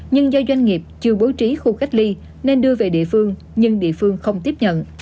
nhưng do doanh nghiệp chưa bố trí khu cách ly nên đưa về địa phương nhưng địa phương không tiếp nhận